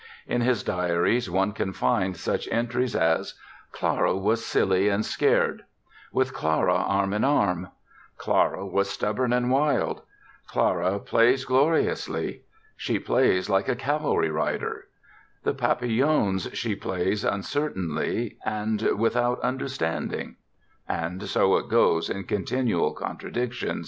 In his diaries one can find such entries as: "Clara was silly and scared", "With Clara arm in arm", "Clara was stubborn and wild", "Clara plays gloriously", "She plays like a cavalry rider", "The 'Papillons' she plays uncertainly and without understanding"! And so it goes in continual contradiction.